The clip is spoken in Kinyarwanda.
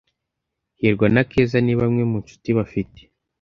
Hirwa na Keza ni bamwe mu Nshuti bafite